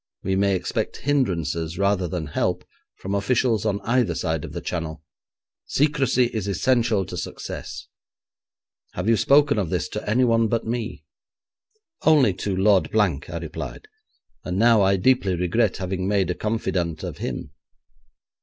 We may expect hindrances, rather than help, from officials on either side of the Channel. Secrecy is essential to success. Have you spoken of this to anyone but me?' 'Only to Lord Blank,' I replied; 'and now I deeply regret having made a confidant of him.'